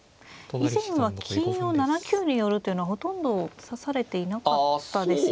以前は金を７九に寄るというのはほとんど指されていなかったですよね。